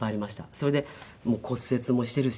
それで骨折もしているし。